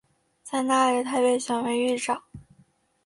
在那里他被选为狱长。